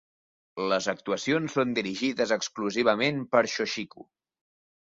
Les actuacions són dirigides exclusivament per Shochiku.